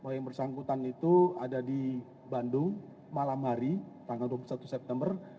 yang bersangkutan itu ada di bandung malam hari tanggal dua puluh satu september